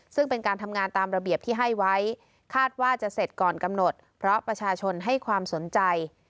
ซึ่งเป็นการทำงานตามระเบียบที่ให้ไว้คาดว่าจะเสร็จก่อนกำหนดเพราะประชาชนให้ความสนใจ